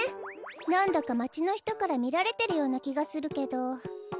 なんだかまちのひとからみられてるようなきがするけど。